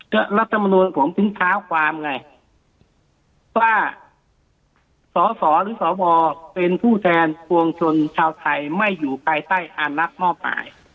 ก็รัฐมนตร์ผมถึงเท้าความไงว่าสสหรือสบเป็นผู้แทนกวงชนชาวไทยไม่อยู่ใกล้ใต้อันลักษณ์มอบปลาย